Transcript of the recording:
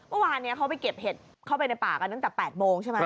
เมื่อวานนี้เขาไปเก็บเห็ดเข้าไปในป่ากันตั้งแต่๘โมงใช่ไหม